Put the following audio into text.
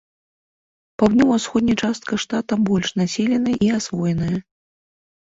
Паўднёва-ўсходняя частка штата больш населеная і асвоеная.